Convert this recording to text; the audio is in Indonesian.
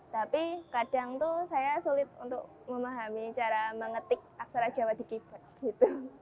tapi kadang tuh saya sulit untuk memahami cara mengetik aksara jawa di keyboard gitu